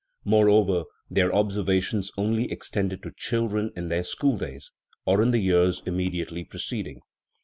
More over, their observations only extended to children in their school days, or in the years immediately preced ing.